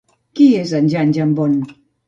Qui és Jan Jambon?